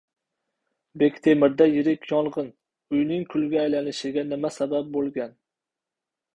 Bektemirda yirik yong‘in. Uyning kulga aylanishiga nima sabab bo‘lgan?